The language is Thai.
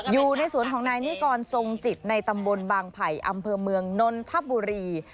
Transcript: อยู่ในสวนของนายนิกรทรงจิตในตำบลบางไผ่อำเภอเมืองนนทบุรี